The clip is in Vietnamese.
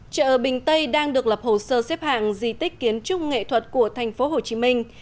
chợ bình tây đang được lập hồ sơ xếp hạng di tích kiến trúc nghệ thuật của thành phố hồ chí minh